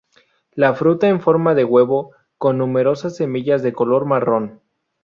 La fruta en forma de huevo, con numerosas semillas de color marrón.